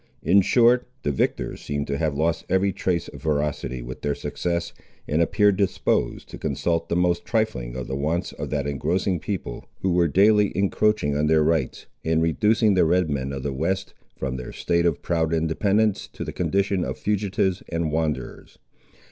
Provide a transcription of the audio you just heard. In short, the victors seemed to have lost every trace of ferocity with their success, and appeared disposed to consult the most trifling of the wants of that engrossing people, who were daily encroaching on their rights, and reducing the Red men of the west, from their state of proud independence to the condition of fugitives and wanderers.